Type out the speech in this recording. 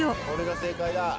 これが正解だ。